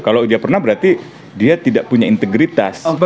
kalau dia pernah berarti dia tidak punya integritas